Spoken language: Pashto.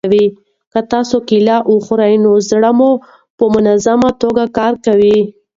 که تاسي کیله وخورئ نو زړه مو په منظمه توګه کار کوي.